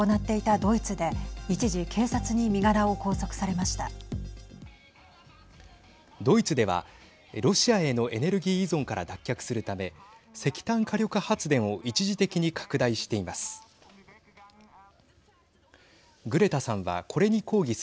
ドイツでは、ロシアへのエネルギー依存から脱却するため石炭火力発電を一時的に拡大しています。